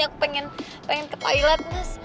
yang pengen ke toilet mas